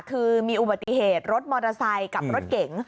คือมีอุบัติเหตุรถมอเตอร์ไซค์กับรถเก๋ง